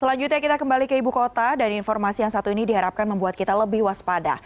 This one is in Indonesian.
selanjutnya kita kembali ke ibu kota dan informasi yang satu ini diharapkan membuat kita lebih waspada